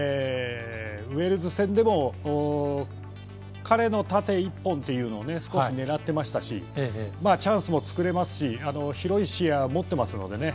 ウェールズ戦でも彼の縦１本というのを少し狙っていましたしチャンスも作れますし広い視野を持ってますのでね。